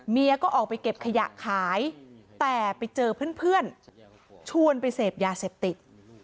ก็ออกไปเก็บขยะขายแต่ไปเจอเพื่อนชวนไปเสพยาเสพติด